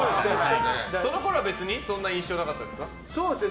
そのころは別にそんな印象なかったですか？